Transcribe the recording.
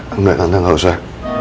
enggak tante gak usah